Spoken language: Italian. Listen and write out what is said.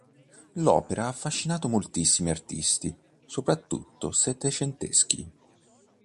L'opera ha affascinato moltissimi artisti, soprattutto settecenteschi.